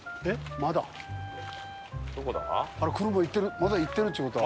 まだ行ってるっちゅう事は。